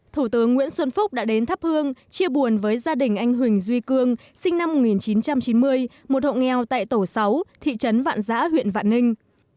thủ tướng nguyễn xuân phúc đã đến thắp hương chia buồn với gia đình anh huỳnh duy cương sinh năm một nghìn chín trăm chín mươi một hộ nghèo tại tổ sáu thị trấn vạn giã huyện vạn ninh